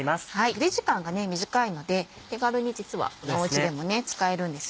ゆで時間が短いので手軽に実はおうちでも使えるんですよ。